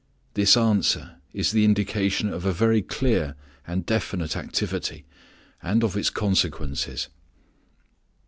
This answer is the indication of a very clear and definite activity, and of its consequences.